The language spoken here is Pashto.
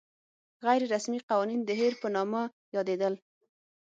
غیر رسمي قوانین د هیر په نامه یادېدل.